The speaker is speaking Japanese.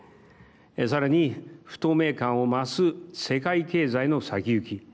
さらに、不透明感を増す世界経済の先行き。